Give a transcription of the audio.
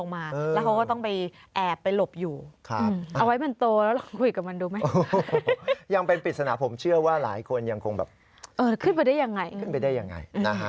ไม่ได้ยังไง